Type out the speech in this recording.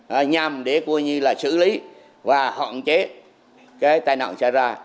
và nhằm để cuối như là xử lý và hoạn chế cái tai nạn xảy ra